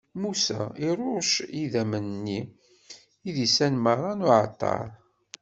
Musa iṛucc s idammen-nni, idisan meṛṛa n uɛalṭar.